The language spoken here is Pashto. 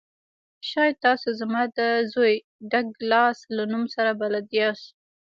شاید تاسو زما د زوی ډګلاس له نوم سره بلد یاست